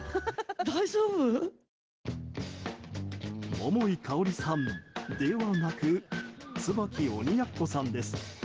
桃井かおりさんではなく椿鬼奴さんです。